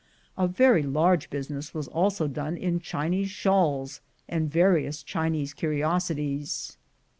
i, A large business was also done in Chinese shawls, and various Chinese curiosities.